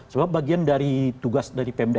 sebab bagian dari tugas dari pemda